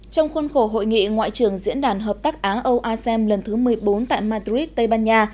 trong khuôn khổ hội nghị ngoại trưởng diễn đàn hợp tác áng âu asem lần thứ một mươi bốn tại madrid tây ban nha